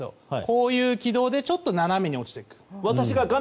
こういう軌道でちょっと斜めに落ちます。